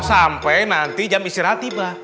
sampai nanti jam istirahat tiba